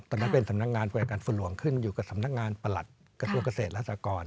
ตอนนั้นเป็นสำนักงานบริการฝนหลวงขึ้นอยู่กับสำนักงานประหลัดกระทรวงเกษตรและสากร